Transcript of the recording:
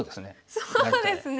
そうですね。